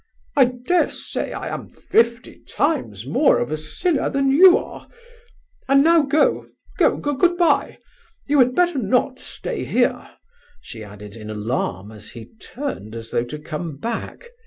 I dare say I am fifty times more of a sinner than you are! And now go, go, good bye, you had better not stay here!" she added, in alarm, as he turned as though to come back.